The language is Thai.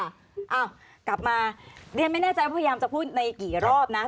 อ้าวกลับมาเรียนไม่แน่ใจว่าพยายามจะพูดในกี่รอบนะ